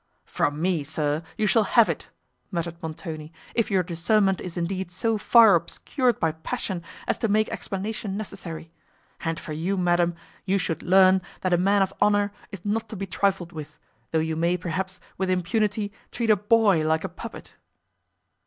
"From me, sir! you shall have it;" muttered Montoni, "if your discernment is indeed so far obscured by passion, as to make explanation necessary. And for you, madam, you should learn, that a man of honour is not to be trifled with, though you may, perhaps, with impunity, treat a boy like a puppet."